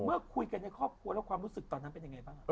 เมื่อคุยกันในครอบครัวแล้วความรู้สึกตอนนั้นเป็นยังไงบ้าง